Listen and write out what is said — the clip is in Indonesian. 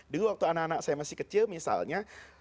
dulu waktu anak anak saya masih kecil misalnya